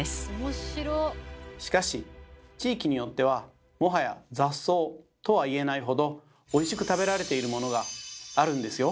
しかし地域によってはもはや雑草とは言えないほどおいしく食べられているものがあるんですよ。